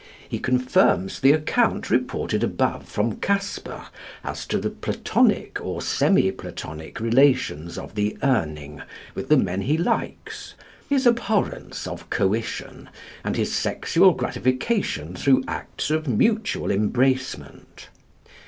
He confirms the account reported above from Casper as to the platonic or semi platonic relations of the Urning with the men he likes, his abhorrence of coition, and his sexual gratification through acts of mutual embracement.